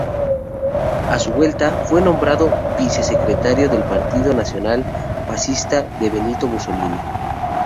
A su vuelta, fue nombrado vice-secretario del Partido Nacional Fascista de Benito Mussolini.